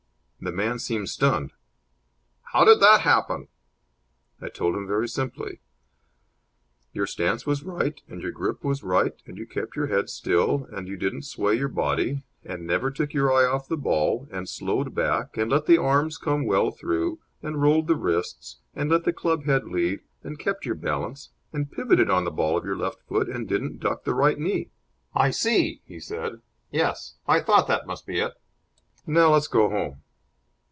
The man seemed stunned. "How did that happen?" I told him very simply. "Your stance was right, and your grip was right, and you kept your head still, and didn't sway your body, and never took your eye off the ball, and slowed back, and let the arms come well through, and rolled the wrists, and let the club head lead, and kept your balance, and pivoted on the ball of the left foot, and didn't duck the right knee." "I see," he said. "Yes, I thought that must be it." "Now let's go home."